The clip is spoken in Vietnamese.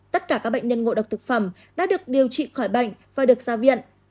tất cả các bệnh nhân ngộ độc thực phẩm đã được điều trị khỏi bệnh và được ra viện